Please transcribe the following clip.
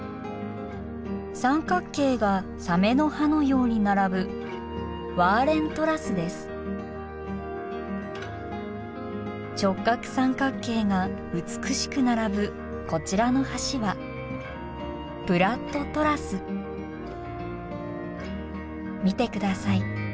三角形がサメの歯のように並ぶ直角三角形が美しく並ぶこちらの橋は見てください